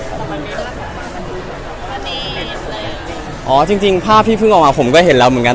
เอาจริงภาพธิภึงมากผมก็เห็นแล้วเหมือนกัน